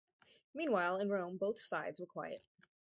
Meanwhile, in Rome both sides were quiet.